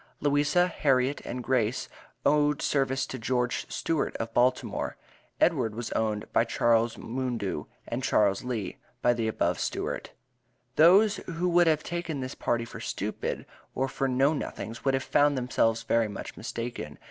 Louisa, Harriet and Grace owed service to Geo. Stewart of Baltimore; Edward was owned by Chas. Moondo, and Chas. Lee by the above Stewart. Those who would have taken this party for stupid, or for know nothings, would have found themselves very much mistaken.